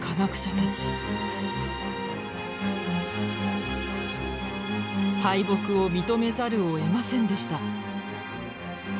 敗北を認めざるをえませんでした。